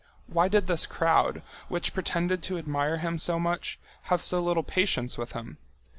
Why did this crowd, which pretended to admire him so much, have so little patience with him?